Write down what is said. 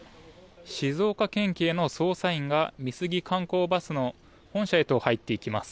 静岡県警の捜査員が美杉観光バスの本社へと入っていきます。